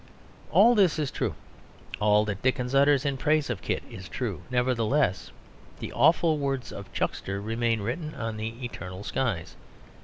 All this is true; all that Dickens utters in praise of Kit is true; nevertheless the awful words of Chuckster remain written on the eternal skies.